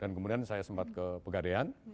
dan kemudian saya sempat ke pegadehan